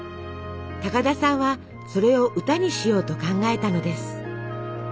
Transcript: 高田さんはそれを歌にしようと考えたのです。